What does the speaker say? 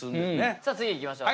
さあ次いきましょう。